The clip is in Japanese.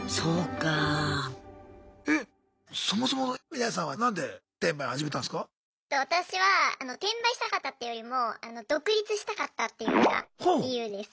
私は転売したかったっていうよりも独立したかったっていうのが理由です。